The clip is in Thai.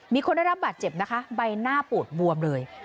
มีคนได้รับบาดเจ็บนะคะใบหน้าปูดบวมเลย